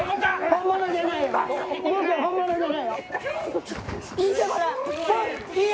僕本物じゃないよ！